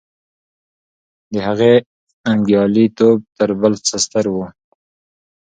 د هغې ننګیالی توب تر بل څه ستر و.